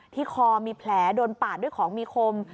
คอมีแผลโดนปาดด้วยของมีคม